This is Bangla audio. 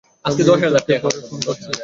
আমি তোকে পরে ফোন করছি।